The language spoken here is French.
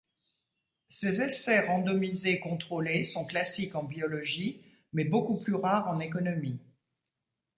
Ces essais randomisés contrôlés sont classiques en biologie mais beaucoup plus rares en économie.